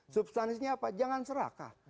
substansinya apa jangan serakah